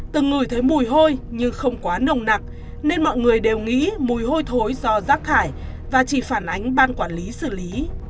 từng ngửi thấy mùi hôi nhưng không quá nồng nặc nên mọi người đều nghĩ mùi hôi thối do rác thải và chỉ phản ánh ban quản lý xử lý